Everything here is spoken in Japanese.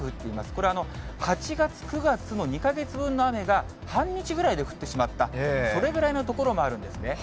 これ、８月、９月の２か月分の雨が、半日くらいで降ってしまった、それぐらいの所もあるんですね。